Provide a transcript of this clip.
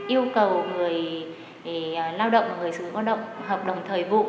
yêu cầu người lao động và người xứ lao động hợp đồng thời vụ